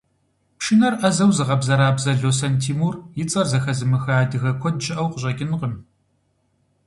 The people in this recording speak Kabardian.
Пшынэр ӏэзэу зыгъэбзэрабзэ Лосэн Тимур и цӏэр зэхэзымыха адыгэ куэд щыӏэу къыщӏэкӏынкъым.